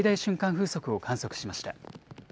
風速を観測しました。